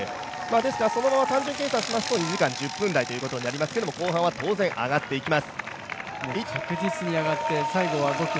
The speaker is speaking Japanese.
ですからそのまま単純計算しますと、２時間１０分台ということになりますが後半は当然、上がっていきます。